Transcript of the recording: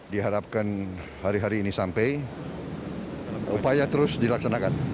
diharapkan hari hari ini sampai upaya terus dilaksanakan